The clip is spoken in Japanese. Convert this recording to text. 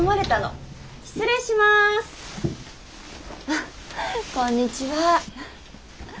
あっこんにちは。